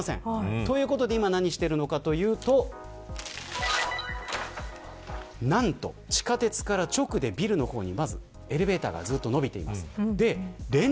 ということで今何をしているのかというと何と地下鉄から直でビルの方にまずエレベーターがずっと延びています。